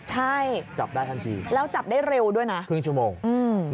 ใช่จับได้ทันทีแล้วจับได้เร็วด้วยนะครึ่งชั่วโมงอืม